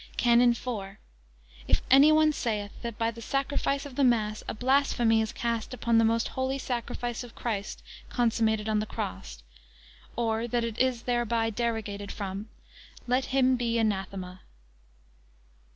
CANON IV. If any one saith, that, by the sacrifice of the mass, a blasphemy is cast upon the most holy sacrifice of Christ consummated on the cross; or, that it is thereby derogated from; let him be anathema.